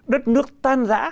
đất nước tan giã